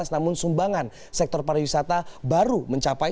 namun sumbangan sektor pariwisata baru mencapai